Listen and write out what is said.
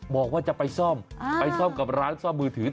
บอกว่าจะไปซ่อมไปซ่อมกับร้านซ่อมมือถือ